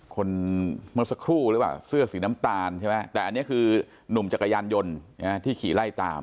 คนเมื่อสักครู่หรือเปล่าเสื้อสีน้ำตาลใช่ไหมแต่อันนี้คือหนุ่มจักรยานยนต์ที่ขี่ไล่ตาม